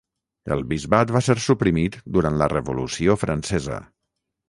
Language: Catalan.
El bisbat va ser suprimit durant la revolució francesa.